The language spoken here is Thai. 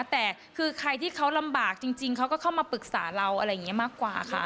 แต่คือใครที่เขาลำบากจริงเขาก็เข้ามาปรึกษาเราอะไรอย่างนี้มากกว่าค่ะ